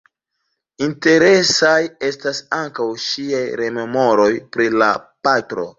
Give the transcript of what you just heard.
Interesaj estas ankaŭ ŝiaj rememoroj pri la patro.